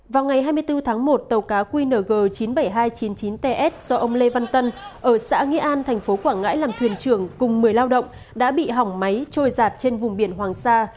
vào ngày hai mươi bốn tháng một tàu cá qng chín mươi bảy nghìn hai trăm chín mươi chín ts do ông lê văn tân ở xã nghĩa an thành phố quảng ngãi làm thuyền trưởng cùng một mươi lao động đã bị hỏng máy trôi giạt trên vùng biển hoàng sa